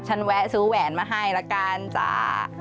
แวะซื้อแหวนมาให้ละกันจ้า